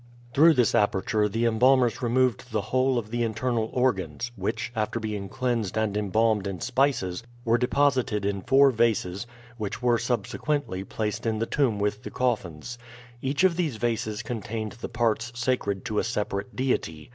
Through this aperture the embalmers removed the whole of the internal organs, which, after being cleansed and embalmed in spices, were deposited in four vases, which were subsequently placed in the tomb with the coffins. Each of these vases contained the parts sacred to a separate deity.